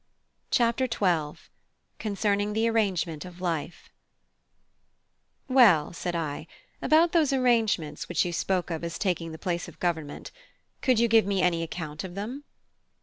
CHAPTER XII: CONCERNING THE ARRANGEMENT OF LIFE "Well," I said, "about those 'arrangements' which you spoke of as taking the place of government, could you give me any account of them?"